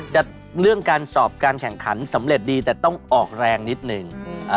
เรื่องการสอบการแข่งขันสำเร็จดีแต่ต้องออกแรงนิดนึง